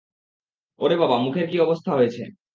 ওরে বাবা, মুখের কী অবস্থা হয়েছে।